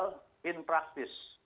tapi itu tidak teroris